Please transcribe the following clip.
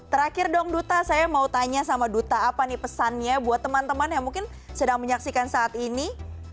terakhir dong duta saya mau tanya sama duta apa nih pesannya buat teman teman yang mungkin sedang menyaksikan saat ini